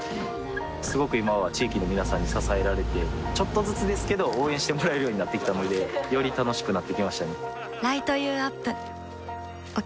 すごく今は地域の皆さんに支えられてちょっとずつですけど応援してもらえるようになってきたのでより楽しくなってきましたね